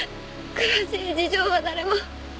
詳しい事情は誰も。